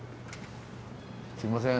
すいません